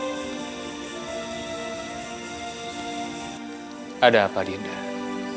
apa yang ada di utara